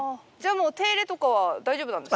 もう手入れとかは大丈夫なんですか？